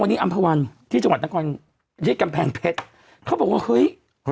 วันนี้อำภาวันที่จังหวัดนครที่กำแพงเพชรเขาบอกว่าเฮ้ย